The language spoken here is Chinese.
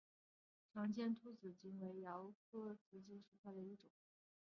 长尖突紫堇为罂粟科紫堇属下的一个种。